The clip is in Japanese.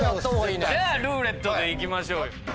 じゃあ「ルーレット」でいきましょう。